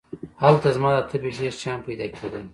هلته زما د طبعې ډېر شیان پیدا کېدل.